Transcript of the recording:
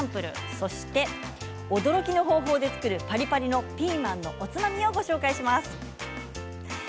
そして、驚きの方法で作るパリパリのピーマンのおつまみをご紹介します。